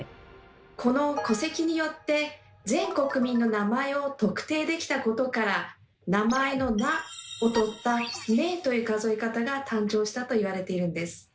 この戸籍によって全国民の名前を特定できたことから名前の「名」をとった「名」という数え方が誕生したと言われているんです。